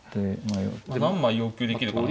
何枚要求できるか。